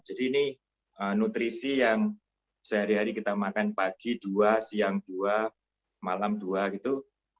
jadi ini nutrisi yang sehari hari kita makan pagi dua siang dua malam dua gitu